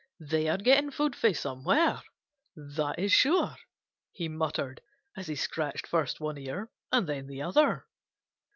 "They are getting food somewhere, that is sure," he muttered, as he scratched first one ear and then the other.